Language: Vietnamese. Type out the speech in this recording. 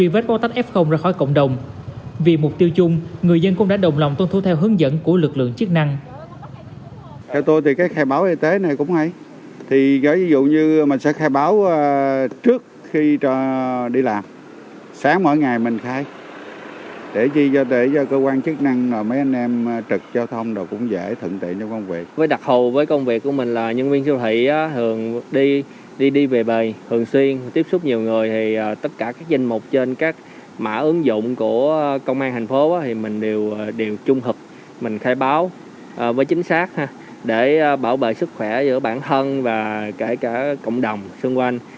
với đặc hồ với công việc của mình là nhân viên siêu thị thường đi về bề thường xuyên tiếp xúc nhiều người thì tất cả các danh mục trên các mã ứng dụng của công an thành phố thì mình đều trung thực mình khai báo với chính xác để bảo vệ sức khỏe giữa bản thân và kể cả cộng đồng xung quanh